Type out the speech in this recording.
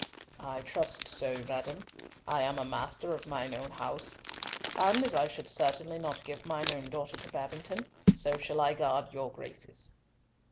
"I trust so, madam, I am master of mine own house, and, as I should certainly not give mine own daughter to Babington, so shall I guard your Grace's."